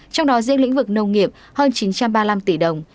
trong đó riêng lĩnh vực nông nghiệp hơn chín trăm ba mươi năm tỷ đồng